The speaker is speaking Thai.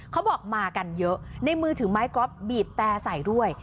เขาบอกมากันเยอะในมือถือไม้ก๊อฟบีบแต่ใส่ด้วย